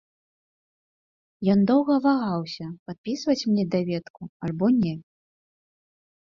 Ён доўга вагаўся, падпісваць мне даведку альбо не.